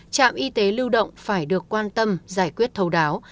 trạm y tế lưu động phải được quan tâm giải quyết thấu đáo